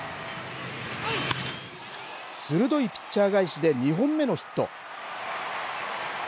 鋭いピッチャー返しで２本目のヒット。